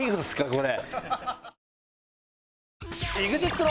これ。